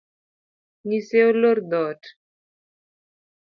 Nyise olor dhoot.